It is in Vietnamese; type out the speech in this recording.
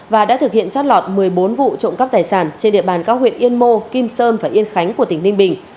và đã thực hiện trót lọt một mươi bốn vụ trộm cắp tài sản trên địa bàn các huyện yên mô kim sơn và yên khánh của tỉnh ninh bình